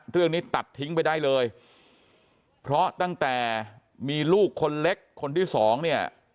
เรื่องนี้ตัดทิ้งไปได้เลยเพราะตั้งแต่มีลูกคนเล็กคนที่สองเนี่ย